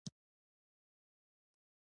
خور له خپلو وړو وروڼو سره مینه کوي.